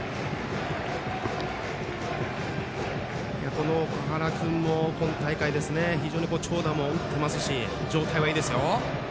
この岳原君も今大会非常に長打も打ってますし状態はいいですよ。